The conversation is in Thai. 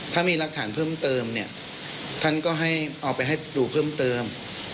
ถ้ามีรักฐานเพิ่มเติมท่านก็มาให้ดูเพิ่มเติม